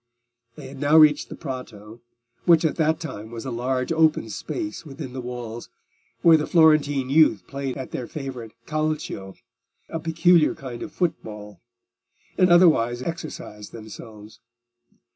They had now reached the Prato, which at that time was a large open space within the walls, where the Florentine youth played at their favourite Calcio—a peculiar kind of football—and otherwise exercised themselves.